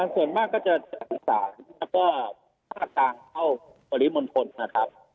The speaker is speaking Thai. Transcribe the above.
ส่วนมากก็จะจากอีสานแล้วก็ภาคกลางเข้าปริมณฑลนะครับ